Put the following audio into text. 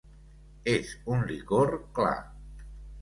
És un licor clar.